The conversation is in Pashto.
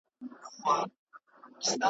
خو یو څوک به دي پر څنګ اخلي ګامونه .